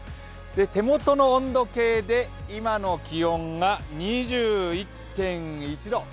手元の温度計で今の気温が２１．１度。